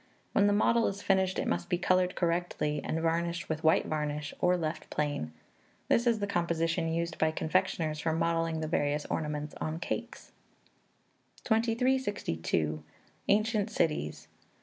When the model is finished, it must be coloured correctly, and varnished with white varnish, or left plain. This is the composition used by confectioners for modelling the various ornaments on cakes. 2362. Ancient Cities.